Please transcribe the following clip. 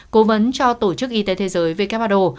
cố vấn cho tổ chức y tế thế giới who